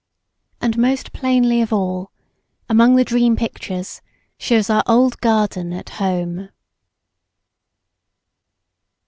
And most plainly of all, among the dream pictures shows our old garden at home.